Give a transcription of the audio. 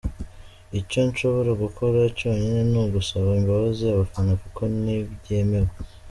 Icyo nshobora gukora cyonyine ni ugusaba imbabazi abafana kuko ntibyemewe".